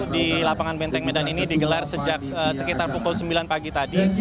di lapangan benteng medan ini digelar sejak sekitar pukul sembilan pagi tadi